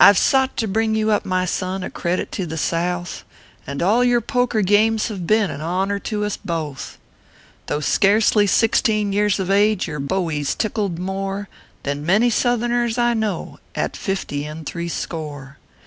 77 I ve sought to bring you up, my son, A credit to the South, And all your poker games have been An honor to us both. Though scarcely sixteen years of age, Your bowie s tickled more Than many Southerners I know At fifty and three score.